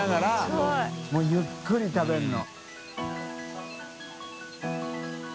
もうゆっくり食べるの。